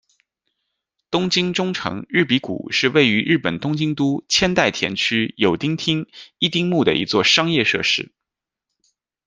东京中城日比谷是位于日本东京都千代田区有乐町一丁目的一座商业设施。